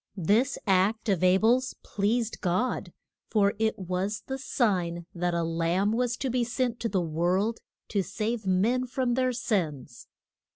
This act of A bel's pleased God, for it was the sign that a Lamb was to be sent to the world to save men from their sins.